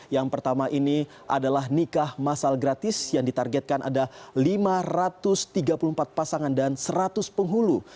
yang pertama ini adalah nikah masal gratis yang ditargetkan ada lima ratus tiga puluh empat pasangan dan seratus penghulu